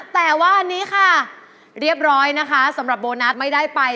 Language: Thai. แต่ว่าอันนี้ค่ะเรียบร้อยนะคะสำหรับโบนัสไม่ได้ไป